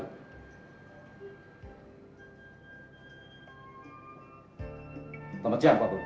selamat siang pak bu